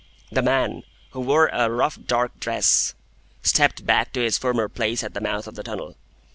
The man, who wore a rough dark dress, stepped back to his former place at the mouth of the tunnel.